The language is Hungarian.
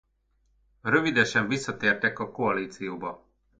Rövidesen visszatértek a koalícióba.